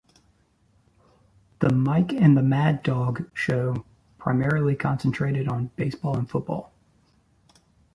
The "Mike and the Mad Dog" show primarily concentrated on baseball and football.